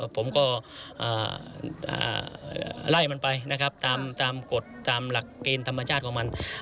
ผมก็ไล่มันไปนะครับตามกฎตามหลักเกณฑ์ธรรมชาติของมัน